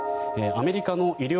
アメリカの医療